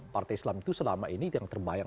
partai islam itu selama ini yang terbayang